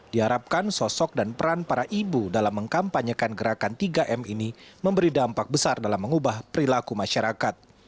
diharapkan sosok dan peran para ibu dalam mengkampanyekan gerakan tiga m ini memberi dampak besar dalam mengubah perilaku masyarakat